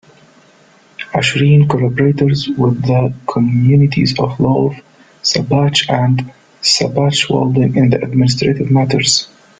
Achern collaborates with the communities of Lauf, Sasbach, and Sasbachwalden in administrative matters.